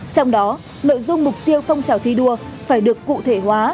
trong đó nội dung mục tiêu phong trào thi đua phải được cụ thể hóa